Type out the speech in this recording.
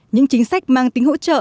những chính sách mang tính hỗ trợ